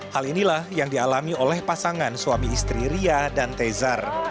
hal inilah yang dialami oleh pasangan suami istri ria dan tezar